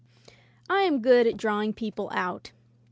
I am good at drawing people out.